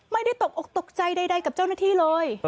ไม่ได้ตกอกตกใจใดกับเจ้าหน้าที่เลย